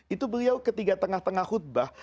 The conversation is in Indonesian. itu beliau ketika tengah tengah khutbah